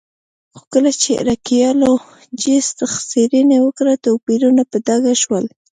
خو کله چې ارکيالوجېسټ څېړنې وکړې توپیرونه په ډاګه شول